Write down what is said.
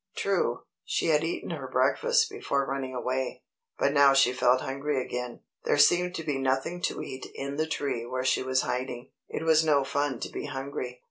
True, she had eaten her breakfast before running away, but now she felt hungry again. There seemed to be nothing to eat in the tree where she was hiding. It was no fun to be hungry.